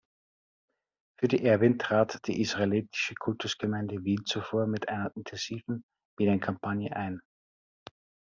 Für die Erbin trat die Israelitische Kultusgemeinde Wien zuvor mit einer intensiven Medienkampagne ein.